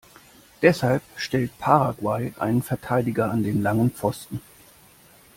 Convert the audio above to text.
Deshalb stellt Paraguay einen Verteidiger an den langen Pfosten.